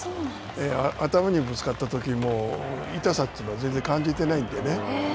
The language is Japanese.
頭にぶつかったときも痛さというのは全然感じてないんでね。